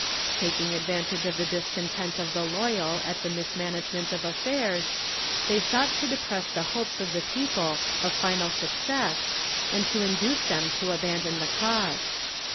Taking advantage of the discontent of the loyal at the mismanagement of affairs, they sought to depress the hopes of the people of final success, and to induce them to abandon the cause.